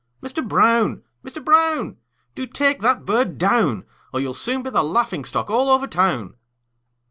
Mister Brown! Mister Brown! Do take that bird down, Or you'll soon be the laughing stock all over town!"